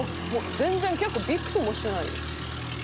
全然結構びくともしてない」